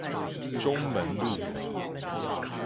中門路